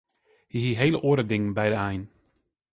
Hy hie hele oare dingen by de ein.